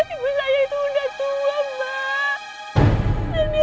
ibu saya itu udah tua mbak